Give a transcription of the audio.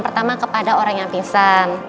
pertama kepada orang yang pisang